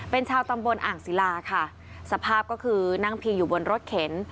เป็นชาวตำบลอ่างศิลาค่ะสภาพก็คือนั่งพิงอยู่บนรถเข็น